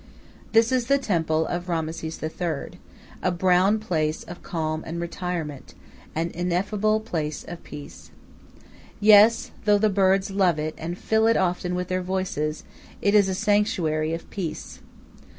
This is the temple of Rameses III., a brown place of calm and retirement, an ineffable place of peace. Yes, though the birds love it and fill it often with their voices, it is a sanctuary of peace.